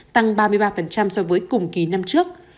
tăng ba mươi ba so với cùng kỳ năm trước